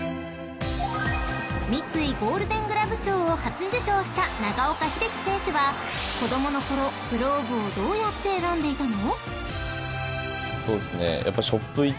［三井ゴールデン・グラブ賞を初受賞した長岡秀樹選手は子供の頃グローブをどうやって選んでいたの？］